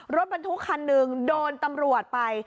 รถบรรทุกคันหนึ่งโดนตำรวจไป